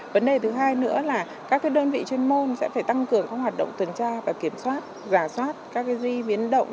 vấn đề thứ hai nữa là các đơn vị chuyên môn sẽ phải tăng cường các hoạt động tuần tra và kiểm soát giả soát các duy viến động